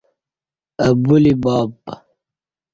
اہ بولی باب